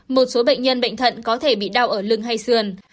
một số bệnh nhân bệnh thận có thể bị đau ở lưng hay sườn